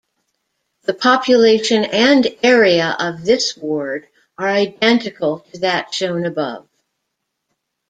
The population and area of this ward are identical to that shown above.